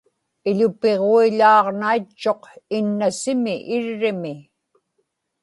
iḷupiġuiḷaaġnaitchuq innasimi irrimi